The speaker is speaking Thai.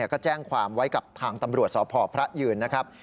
ก็แจ้งความไว้กับทางตำรวจสพพระยืนนะครับ